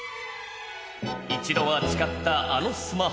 一度は誓ったあのスマホ。